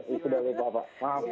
itu dari bapak